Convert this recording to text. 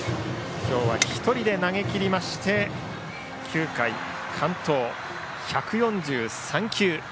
今日は１人で投げきりまして９回完投、１４３球。